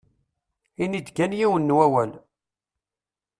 Ini-d kan yiwen n wawal.